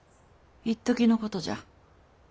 いっときのことじゃ。